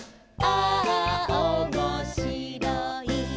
「ああおもしろい」